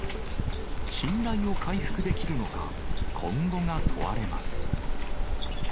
信頼を回復できるのか、今後が問われます。